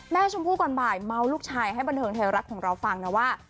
แม่ชมพูก่อนบ่ายมาวลูกชายให้บัลเทิงใตรแรกของเราฟังนะว่า